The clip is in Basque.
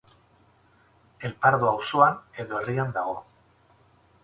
El Pardo auzoan edo herrian dago.